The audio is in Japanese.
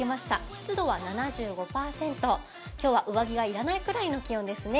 湿度は７５％、今日は上着が要らないくらいの気温ですね。